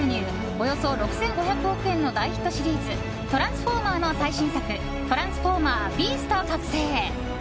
およそ６５００億円の大ヒットシリーズ「トランスフォーマー」の最新作「トランスフォーマー／ビースト覚醒」。